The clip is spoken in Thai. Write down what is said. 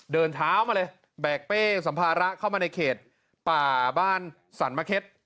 เดินเท้ามาเลยแบกเป้สัมภาระเข้ามาในเขตป่าบ้านสรรมะเข็ด